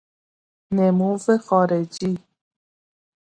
نمو خارجی